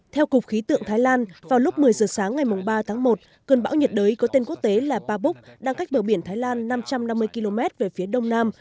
theo cục khí tượng thái lan vào lúc một mươi giờ sáng ngày ba tháng một cơn bão nhiệt đới có tên quốc tế là pabuk đang cách bờ biển thái lan năm trăm năm mươi km về phía đông nam